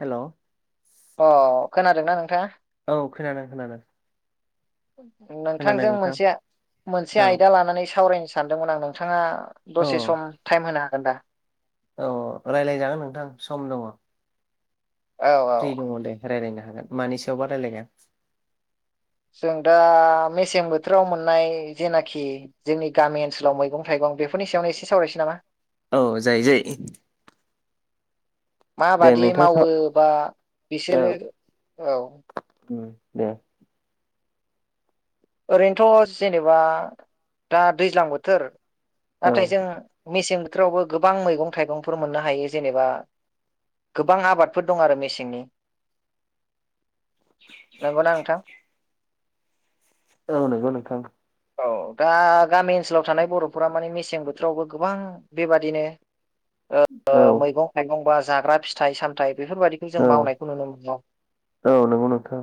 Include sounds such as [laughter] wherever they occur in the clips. Hello अ खोनादोंना नोंथाङा? औ खोनादों खोनादों। खोनादों नोंथांजों नोंथां मोनसे मोनसे औ आयदा लानानै सावरायनो सानदोंमोन आं नोंथाङा औ दसे सम टाइम होनो हागोन दा? औ रायज्लायजागोन नोंथां सम दङ। औ फ्रि औ दङ दे रायलायनो हागोन मानि सायाव बा रायलायगोन? जों दा मेसें बोथोराव मोननाय जेनाखि जोंनि गामि ओनसोलाव मैगं थाइगं बेफोरनि सायावनो एसे सावरायसै नामा? औ जायो जायो। दे माबादियै नोंथां स मावो बा औ बिसोरो औ। दे ओरैनोथ' जेनेबा दा दैज्लां बोथोर औ नाथाय जों मेसें बोथोरावबो गोबां मैगं थाइगंफोर मोननो हायो जेनेबा गोबां आबादफोर दं आरो मेसेंनि। नंगौना नोंथां। औ नंगौ नोंथां। औ दा गामि ओनसोलाव थानाय बर'फोरा माने मेसें बोथोरावबो गोबां बेबादिनो औ मैगं थाइगं बा जाग्रा फिथाइ सामथाय बेफोरबादिखौ जों औ मावनायखौ नुनो मोनो। औ नंगौ नोंथां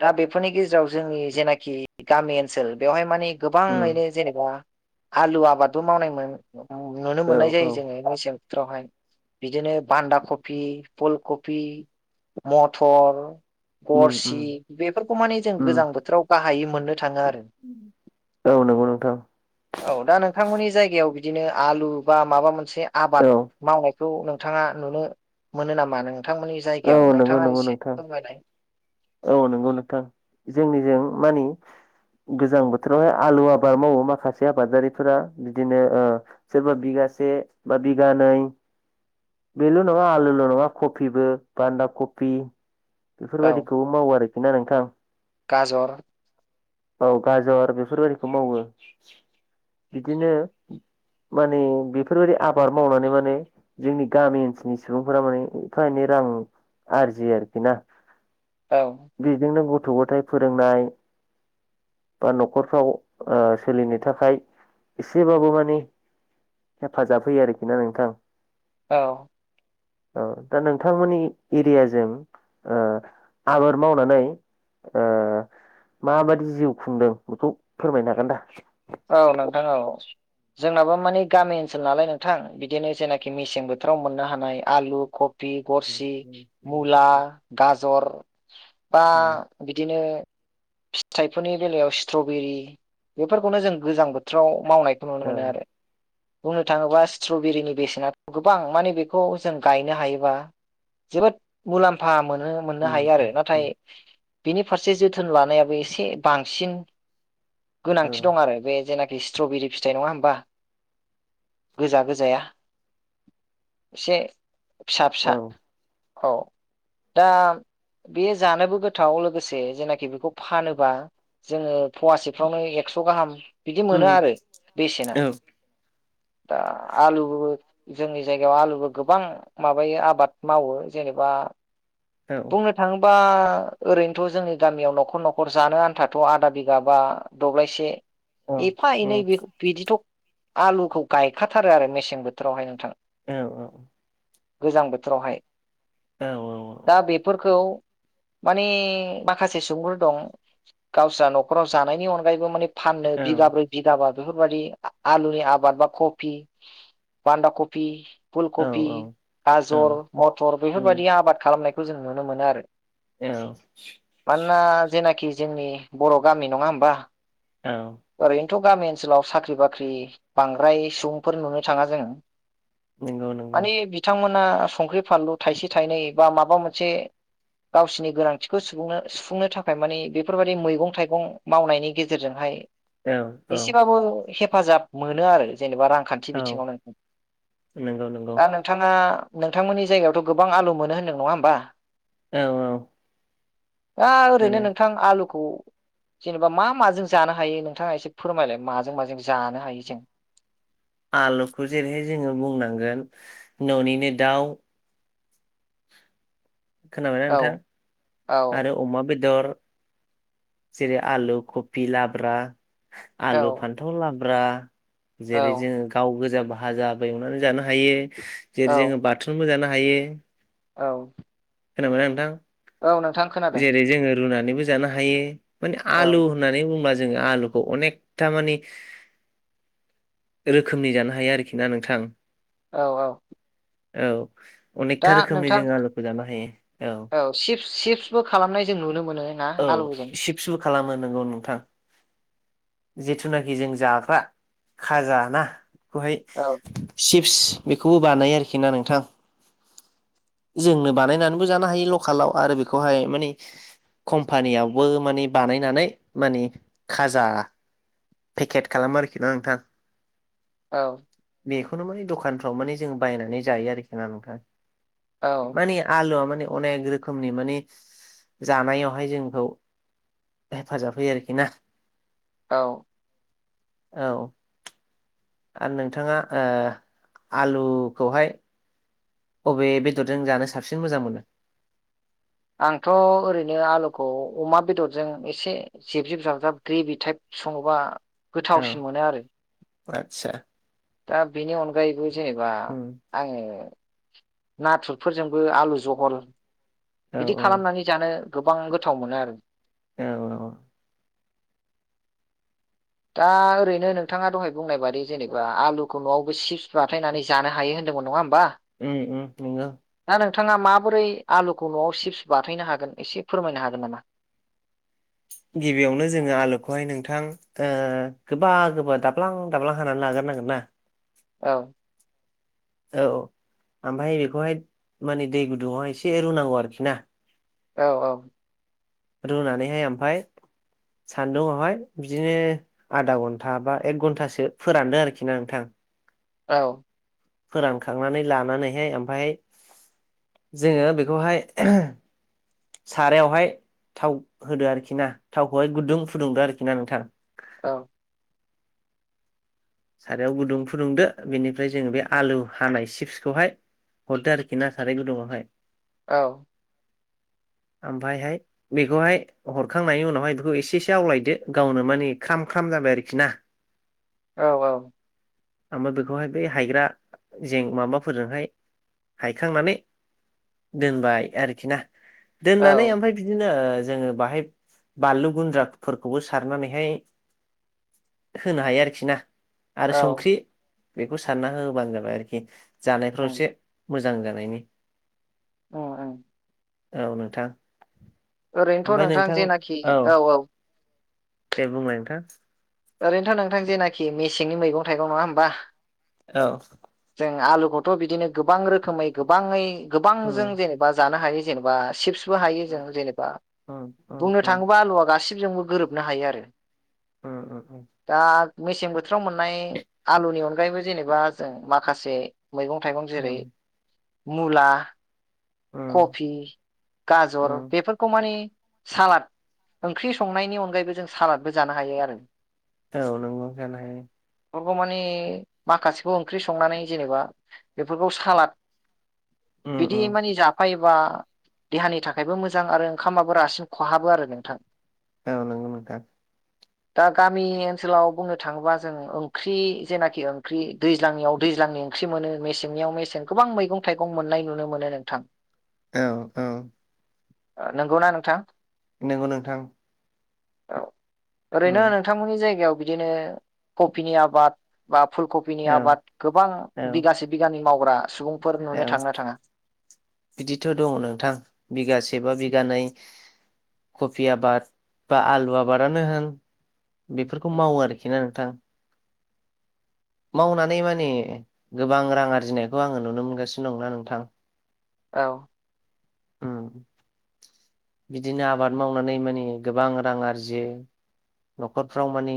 दा बेफोरनि गेजेराव जोंनि जेनाखि गामि ओनसोल बेवहाय माने औ गोबाङैनो जेनेबा आलु आबादबो मावनाय नुनो औ मोननाय जायो जोङो मेसें बोथोरावहाय बिदिनो बान्दा कफि फुलकफि। मटर। गरसि बेफोरखौ माने जों गोजां बोथोराव गाहायै मोननो थाङो आरो। नंगौ नोंथां औ दा नोंथांमोननि जायगायाव बि बिदिनो आलु बा माबा मोनसे औ आबाद मावनाय खौ नोंथाङा नुनो मोनो नामा नोंथांमोननि जायगायाव औ नंगौ नोंथाङा नंगौ एसे नोंथां फोरमायनाय। औ नंगौ नोंथां जोंनिजों मानि [inaudible] गोजां बोथोरावहाय आलु आबाद मावो माखासे आबादारिफोरा बिदिनो ओ सोरबा बिगा से बा बिगानै बेल' नङा आलुल' नङा कफिबो। बान्दा कफि औ बेफोरबायदिखौ मावो आरोखि ना नोंथां। गाज'र। औ गाजर बेफोरबायदिखौ मावो बिदिनो माने बेफोरबायदि आबाद मावनानै माने जोंनि गामि ओनसोलनि सुबुंफोरा माने एफा एनै रां आरजियो आरोखि ना औ बेजोंनो ग गथ' गथाइ फोरोंनाय बा न'खरफ्राव ओ सोलिनो थाखाय एसेबाबो मानि हेफाजाब होयो आरोखि ना नोंथां। औ। औ दा नोंथांमोननि एरियाजों ओ आबाद मावनानै ओ मा बादि जिउ खुंदों बेखौ फोरमायनो हागोन दा? औ नोंथां औ। जोंनाबो माने गामि ओनसोल नालाय नोंथां बिदिनो जेनाखि मेसें बोथोराव मोननो हानाय आलु ख फि गरसि मुला गाजर बा बिदिनो। फिथाइफोरनि बेलायाव स्ट्रबेरि बेफोरखौनो जों गोजां बोथोराव। मावनायखौ नुनो मोनो आरो। बुंनो थाङोबा स्ट्रबेरिनि बेसेना गोबां माने बेखौ जों गायनो हायोबा। जोबोद मुलाम्फा मोनो मोननो हायो आरो नाथाय। बेनि फारसे जोथोन लानायाबो एसे बांसिन। खि दं आरो बे जेने बि स्ट्रबेरि फिथाइ नङा होमबा गोजा गोजाया। इसे फिसा फिसा औ दा बे जानोबो गोथाव लोगोसे जेनेखि बेखौ फानोबा जोङो फवासेफ्रावनो एक स' गाहाम बिदि मोनो आरो बेसेना। दा आलुबो जोंनि जायगायाव आलुबो गोबां माबायो आबाद मावो जेनेबा। बुंनो थाङो बा ओरैनोथ' जोंनि गामियाव न'खर न'खर जानो आन्थाथ' आदा बिगा बा दब्लायसे। एफा एनै बेख बिदिथ' आलुखौ गायखाथारो आरो मेसें बोथोरावहाय नोंथां। औ औ। गोजां बोथोरावहाय। औ औ औ। दा बेफोरखौ। माने माखासे सुबुंफोर दं गावस्रा न'खराव जानायनि अनगायैबो माने। फाननो बिगाब्रै बिगाबा। बेफोरबादि आ-आलुनि आबाद बा कफि बान्दा कफि। फुलकफि गाजर मथर बेफोरबायदि आबाद खालामनायखौ जों नुनो मोनो आरो। मानोना जेनेखि जोंनि बर' गामि नङा होमबा। औ। थ' गामि ओनसोलाव साख्रि बाख्रि बांद्राय सुबुंफोर नुनो थाङा जों। नोंगौ नोंगौ। ना संख्रि फानलु थाइसे थाइनै बा माबा मोनसे। गावसिनि गोनांथिखौनो सुबुंनो सुफुंनो थाखाय माने बेफोरबायदि मैगं थाइगं मावनायनि गेजेरजोंहाय। औ औ एसेबाबो हेफाजाब मोनो आरो जेनेबा रांखान्थि औ बिथिङावनों नंगौ नंगौ दा नोंथाङा। नोंथांमोननि जायगायावथ' गोबां आलु मोनो होन्दों नङा होमबा। औ औ। दा ओरैनो माने नोंथां आलुखौ। जेनेबा मा माजों जानो हायो नोंथाङा एसे फोरमायलाय माजों माजों जानो हायो जों। [inaudible] आलुखौ जेरैहाय जोङो बुंनांगोन न'निनो दाउ। खोनाबायना औ नोंथां औ आरो अमा बेद दर जेरै आलु कफि लाब्रा। आलु औ फान्थाव लाब्रा जेरै औ जोङो गाव गोजा। भाजाबो एवनानै जानो हायो जेरै औ जोङो बाथोनबो जानो हायो। औ। खोनाबायना नोंथां? औ नोंथां खोनादों। रुनानै जानो हायो माने औ आलु होननानै बुंबा जों। जों आलुखौ अनेकथा मानि। रोखोमनि जानो हायो आरोखि ना नोंथां। औ औ। औ दा अनेकथा रोखोमनि नोंथां जोङो आलूखौ जानो औ चिप्स सिप्सबो खालामनाय जों नुनो मोनो ना औ आलुजों? सिप्सबो खालामो नोंगौ नोंथां जिथुनाखि जों जाग्रा खाजा ना खौहाय औ स बिखौबो बानायो आरो ना नोंथां जोंनो बानायनाय [unintelligible] कम्पानियावबो माने बानायनानै माने खाजा पेकेट खालामो आरोखि ना नोंथां। औ। बेखौनो म दखानफ्राव माने जों बायनानै जायो आरोखि ना नोंथां औ माने आलुआ माने अनेक रोखोमनि मानि जानायावहाय जोंखौ हेफाजाब होयो आरोखि ना। औ। औ। आरो नोंथाङा ओ आलुखौहाय अबे बेदरजों जानो साबसिन मोजां मोनो? आंथ' ओरैनो आलुखौ अमा बेदरजों एसे जिब जिब जाबजाब ग्रेभि टाइप सङोबा औ गोथावसिन मोनो आरो। आतसा। दा बेनि अनगायैबो जेनेबा उम आङो नाथुरफोरजोंबो आलु जहल औ बिदि खालामनानै जानो गोबां गोथाव मोनो आरो। औ औ। दा ओरैनो नोंथाङा दहाय बुंनाय बादि जेनेबा आलुखौ न'आवबो चिप्स बाथायनानै जानो हायो होन नङा होम्बा? ओम ओम नंगौ। नोंथाङा माबोरै आलुखौ न'आव चिप्स बाथायनो हागोन एसे फोरमायनो हागोन नामा? [inaudible] गिबियावनो जोङो आलुखौहाय नोंथां ओ गोबा गोबा दाब्ला दाब्ला हानानै लागोर नांगोन ना? औ। औ। ओमफाय बेखौहाय माने दै गुदुंआवहाय एसे रुनांगौ आरोखि ना। औ औ। रुनानैहाय ओमफाय सान्दुंआवहाय बिदिनो आधा घन्टा बा एक घन्टासो फोरानदो आरोखि ना नोंथां। औ। फोरानखांनानै लानानैहाय ओमफाय जोङो बेखौहाय सारायावहाय थाव होदो आरोखि ना थावखौहाय गुदुं फुदुंदो आरोखि ना नोंथां। औ। सारायाव गुदुं फुदुंदो बेनिफ्राय जोङो बे आलु हानाय सिप्सखौहाय हरदो आरोखिना साराय गुदुंआवहाय। औ। आमफायहाय बेखौहाय हरखांनायनि उनावहाय बेखौ एसे एसे आवलायदो गावनो मानि ख्राम ख्रा म जाबाय आरोखि ना। औ औ। ओमफाय बेखौहाय ब हायग्रा जें माबाफोरजोंहाय हायखांनानै दोनबाय आरोखि ना। औ दोननानै ओमफ्राय बिदिनो ओ जोङो बाहाय बानलु गुन्द्राफोरखौबो सारनानैहाय होनो हायो आरोखि ना। आरो औ संख्रि बेखौ सारना होबानो जाबाय आरोखि जानायफ्राव उम एसे मोजां जानायनि। ओ ओम। औ नोंथां। ओरैनोथ' नोंथां जेनाखि औ औ। दे बुंलाय नोंथां। ओरैनोथ' नोंथां जेनाखि मेसेंनि मैगं थाइगं नङा होमबा। औ। जों आलुखौथ' बिदिनो गोबां रोखोमै गोबाङै गोबां जों उम जेनेबा जानो हायो। जनेबा सिपसबो हायो जों जेनेबा उम उम बुंनो उम थाङोबा गासि जोंबो गोरोबनो हायो आरो। ओ ओ औ। दा मेसें बोथोराव मोननाय आलुनि अनगायैबो जेनेबा जों माखासे मैगं थाइगं जेरै उम मुला उम कफि गाजर उम बेफोरखौ मानि सालाद ओंख्रि संनायनि अनगायैबो जों सालादबो जानो हायो आरो। औ नोंगौ जानो हायो। बेफोरखौ माने माखासेखौ ओंख्रि संनानै जेनेबा बेफोरखौ सालाद उम बिदि उम माने जाफायो बा देहानि थाखायबो मोजां आरो ओंखामाबो रासिन खहाबो आरो नोंथां। औ नंगौ नोंथां। दा गामि ओनसोलाव बुंनो थाङोबा जों ओंख्रि जेनाखि ओंख्रि दैज्लांनियाव दैज्लांनि ओं ख्रि मोनो। मेसेंनियाव मेसें गोबां मैगं थाइगं मोननाय नुनो मोनो नोंथां। औ औ। नंगौना नोंथां नंगौ नोंथां औ ओरैनो उम नोंथांमोननि जायगायाव बिदिनो कफिनि आबाद बा फुलकफिनि औ आबाद गोबां औ बिगासे बिगानि मावग्रा सुबुं औ बिदिथ' दङ नोंथां बिगासे बा बिगानै कबि आबाद बा आलु आबादानो होन। बेफोरखौ मावो आरोखिना नोंथां मावनानै माने गोबां रां आरजिनायखौ आङो नुनो मोनगासिनो दंना नोंथां। औ ओम बिदिनो आबाद मावनानै माने गोबां रां आरजियो न'खरफ्राव मानि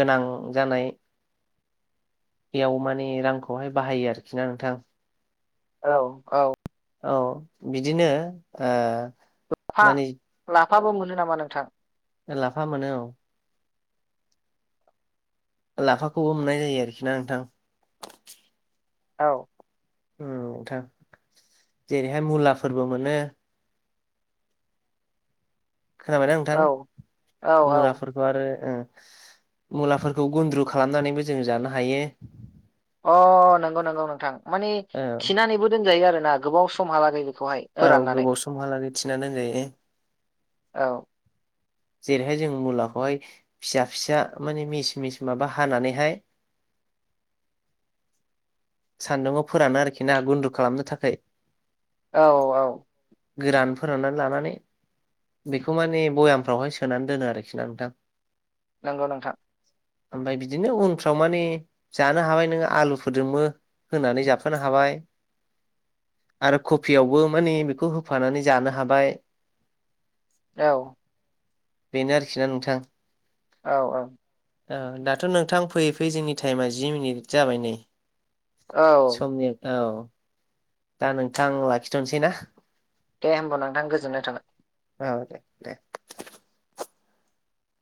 गोनां जानाय बेयाव माने रांखौहाय बाहायो आरोखि ना नोंथां। औ-औ औ बिदिनो ओ लाफा माने लाफाबो मोनो नामा नोंथां। लाफा मोनो औ। लाफाखौबो मोननाय जायो आरोखिना नोंथां। औ नोंथां जेरैहाय मुलाफोरबो मोनो खोनाबायदा औ नोंथां औ औ मुलाफोरखौ आरो ओ मुलाफोरखौ गुन्द्रु खालामनानैबो जों जानो हायो अ नंगौ नंगौ नोंथां माने औ थिनानैबो दोनजायो आरो ना गोबाव समहालागै बेखौहाय औ फोराननानै गोबाव समहालागै थिना दोनजायो। औ जेरैहाय जों मुलाखौहाय फिसा फिसा माने मिस मिस माबा हानानैहाय सान्दुंआव फोरानो आरोखि ना गुन्दु खालामनो थाखाय औ-औ गोरान फोराननानै लानानै बेखौ माने भयामफ्रावहाय सोनानै दोनो आरोखि ना नोंथां नंगौ नोंथां ओमफ्राय बिदिनो उनफ्राव माने जानो हाबाय नोङो आलु फोरजोंबो होनानै जाफानो हाबाय आरो कफियावबो माने बेखौ होफानानै जानो हाबाय औ बेनो आरोखिना नोंथां औ-औ औ दाथ' नोंथां फैयै फैयै जोंनि टाइमा जि मिनिट जाबाय नै औ समनि औ दा नोंथां लाखिथ'सै ना दे होमबा नोंथां गोजोननाय थाबाय औ देे-दे